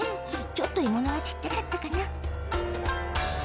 ちょっと獲物がちっちゃかったかな。